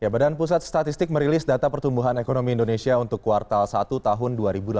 badan pusat statistik merilis data pertumbuhan ekonomi indonesia untuk kuartal satu tahun dua ribu delapan belas